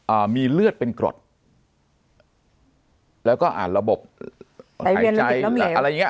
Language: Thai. มีเลือดเป็นกรดแล้วก็อ่านระบบหายใจอะไรอย่างเงี้